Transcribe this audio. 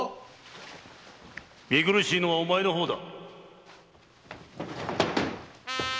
・見苦しいのはお前の方だ。